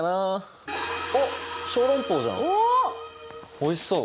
おいしそう！